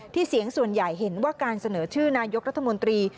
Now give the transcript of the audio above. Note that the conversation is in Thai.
เสียงส่วนใหญ่เห็นว่าการเสนอชื่อนายกรัฐมนตรี